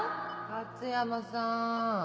勝山さーん。